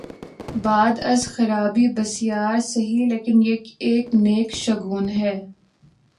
بعد از خرابیء بسیار سہی، لیکن یہ ایک نیک شگون ہے۔